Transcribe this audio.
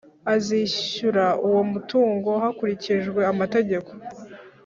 Azishyura uwo mutungo hakurikijwe amategeko